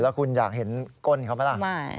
คุณอยากเห็นก้นเขาไหมล่ะ